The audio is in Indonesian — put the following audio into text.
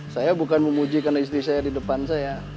saya bukan memuji karena istri saya di depan saya